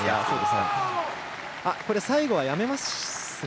最後はやめますね。